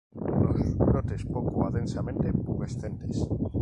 Los brotes poco a densamente pubescentes.